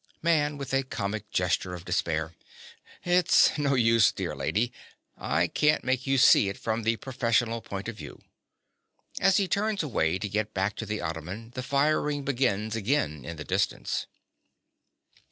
MAN. (with a comic gesture of despair). It's no use, dear lady: I can't make you see it from the professional point of view. (_As he turns away to get back to the ottoman, the firing begins again in the distance.